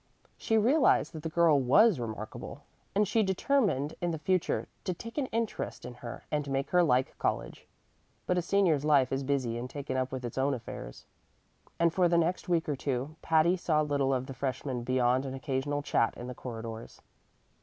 She realized that the girl was remarkable, and she determined in the future to take an interest in her and make her like college. But a senior's life is busy and taken up with its own affairs, and for the next week or two Patty saw little of the freshman beyond an occasional chat in the corridors.